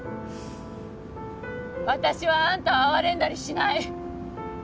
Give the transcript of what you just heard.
私はあんたを哀れんだりしない